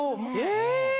え！